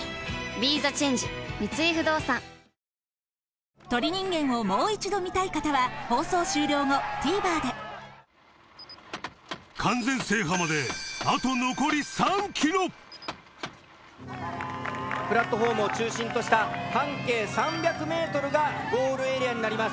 ＢＥＴＨＥＣＨＡＮＧＥ三井不動産鳥人間をもう一度見たい方は放送終了プラットホームを中心とした半径３００ｍがゴールエリアになります。